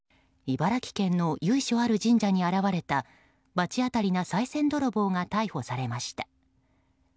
茨城県の由緒ある神社に現れた罰当たりなさい銭泥棒が逮捕されました。